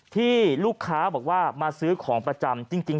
ที่ลูกค้าบอกว่ามาซื้อของประจำจริง